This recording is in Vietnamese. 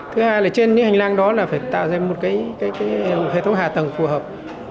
thứ hai là trên những hành lang đó là phải tạo ra một hệ thống hạ tầng phù hợp